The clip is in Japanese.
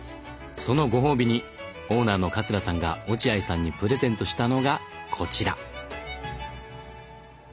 そのご褒美にオーナーの桂さんが落合さんにプレゼントしたのがこちら！